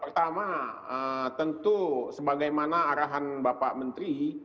pertama tentu sebagaimana arahan bapak menteri